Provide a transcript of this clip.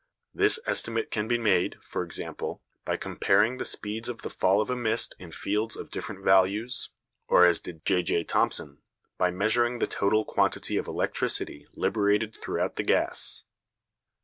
This estimate can be made, for example, by comparing the speed of the fall of a mist in fields of different values, or, as did J.J. Thomson, by measuring the total quantity of electricity liberated throughout the gas.